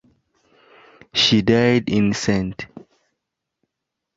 She died in St.